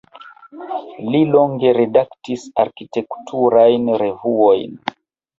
Li longe redaktis arkitekturajn revuojn.